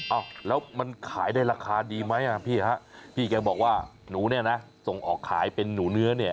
แล้วมันขายได้ราคาดีไหมพี่แกบอกว่าหนูนี่นะส่งออกขายเป็นหนูเนื้อนะ